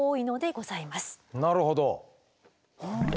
なるほど。